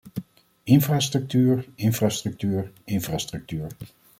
Infrastructuur, infrastructuur, infrastructuur.